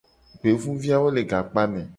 Gbevuviawo le gakpame.